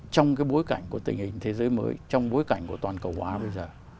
trong cái bối cảnh của tình hình thế giới mới trong bối cảnh của toàn cầu hóa bây giờ